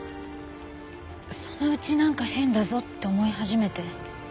そのうちなんか変だぞって思い始めて。